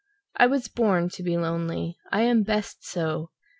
I was born to be lonely, I am best so!"